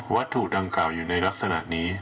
วัตถุดังกล่าวอยู่ในลักษณะนี้